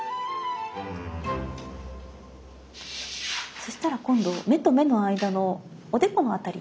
そしたら今度目と目の間のおでこの辺り。